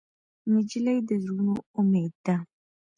نجلۍ د زړونو امید ده.